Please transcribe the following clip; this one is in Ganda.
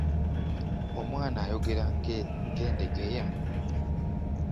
Omwana ayogera ng'endegeya.